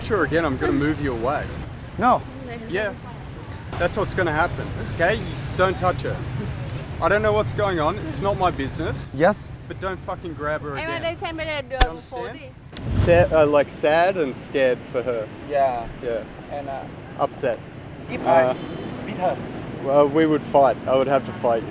chúng tôi sẽ chiến đấu tôi sẽ phải chiến đấu với cô ấy